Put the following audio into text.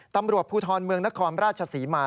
ตำรวจภูทรเมืองนครราชศรีมา